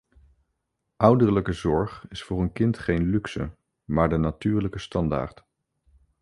Ouderlijke zorg is voor een kind geen luxe, maar de natuurlijke standaard.